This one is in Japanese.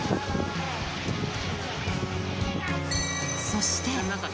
そして。